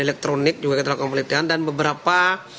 elektronik juga telah kompletikan dan beberapa